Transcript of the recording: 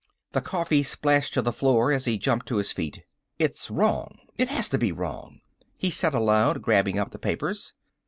The coffee splashed to the floor as he jumped to his feet. "It's wrong ... it has to be wrong!" he said aloud, grabbing up the papers.